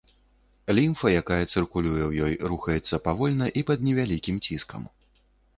Лімфа, якая цыркулюе ў ёй, рухаецца павольна і пад невялікім ціскам.